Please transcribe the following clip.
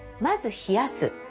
冷やす。